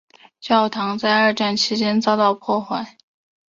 教堂在二战期间遭到破坏。